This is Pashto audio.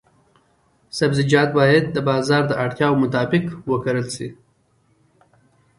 سبزیجات باید د بازار د اړتیاوو مطابق وکرل شي.